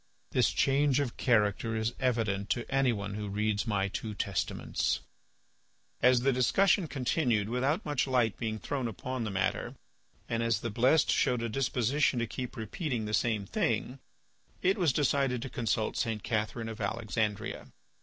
This change of character is evident to anyone who reads my two Testaments." As the discussion continued without much light being thrown upon the matter and as the blessed showed a disposition to keep repeating the same thing, it was decided to consult St. Catherine of Alexandria.